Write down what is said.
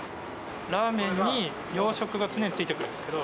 ラーメンに洋食が常に付いてくるんですけど。